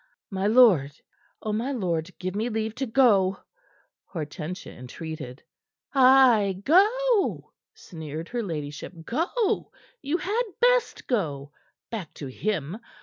"My lord! Oh, my lord, give me leave to go," Hortensia entreated. "Ay, go," sneered her ladyship. "Go! You had best go back to him.